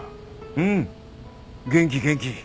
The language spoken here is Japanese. うん元気元気。